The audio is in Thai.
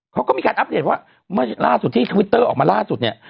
เขาก็มีการอัปเดตว่าเมื่อล่าสุดที่ทวิตเตอร์ออกมาล่าสุดเนี่ย